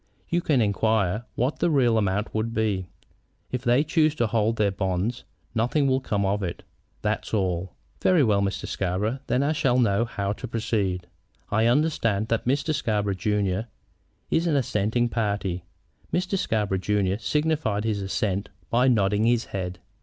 You can inquire what the real amount would be. If they choose to hold to their bonds, nothing will come of it; that's all." "Very well, Mr. Scarborough. Then I shall know how to proceed. I understand that Mr. Scarborough, junior, is an assenting party?" Mr. Scarborough, junior, signified his assent by nodding his head.